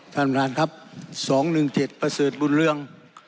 ท่านประธานครับ๒๑๗ประเสริฐบุญเรือง